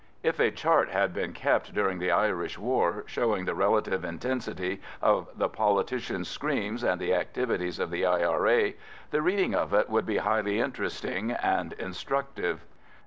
If a chart had been kept during the Irish war showing the relative intensity of the politicians' screams and the activities of the I.R.A., the reading of it would be highly interesting and instructive.